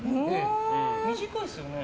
短いですよね。